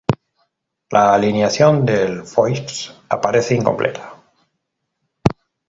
La alineación del Foix aparece incompleta.